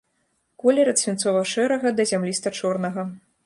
Колер ад свінцова-шэрага да зямліста-чорнага.